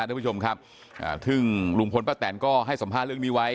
ทุกผู้ชมครับอ่าซึ่งลุงพลป้าแตนก็ให้สัมภาษณ์เรื่องนี้ไว้